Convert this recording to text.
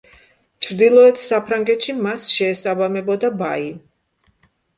ჩრდილოეთ საფრანგეთში მას შეესაბამებოდა ბაი.